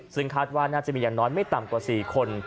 ซึ่งคาดว่าน่าจะมีอย่างน้อยไม่ต่ำกว่า๔คน